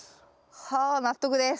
はあ納得です。